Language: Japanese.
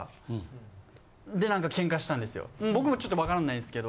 僕もちょっと分からないんですけど。